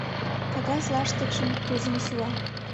Кагаз лаштыкшым туржын шуа.